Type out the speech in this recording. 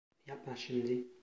Yapma şimdi.